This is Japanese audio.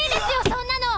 そんなの！